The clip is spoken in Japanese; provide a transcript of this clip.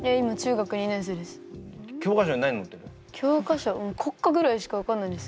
国歌ぐらいしか分かんないんです。